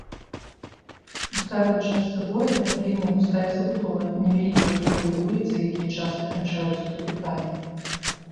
У старой частцы горада вельмі густая забудова, невялікія крывыя вуліцы, якія часта канчаюцца тупікамі.